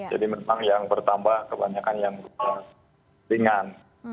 jadi memang yang bertambah kebanyakan yang ringan